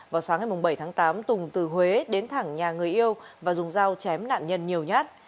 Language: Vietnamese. vào sáng ngày bảy tháng tám tùng từ huế đến thẳng nhà người yêu và dùng dao chém nạn nhân nhiều nhát